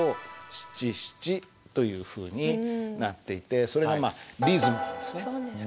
というふうになっていてそれがまあリズムなんですね。